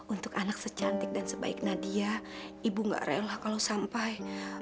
untuk anak secantik dan sebaik nadia ibu nggak rela kalau sampai